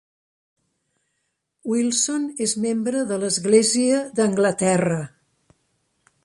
Wilson és membre de l'Església d'Anglaterra.